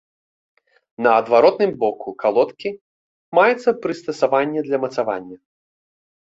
На адваротным боку калодкі маецца прыстасаванне для мацавання.